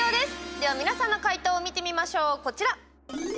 では皆さんの解答を見てみましょう、こちら。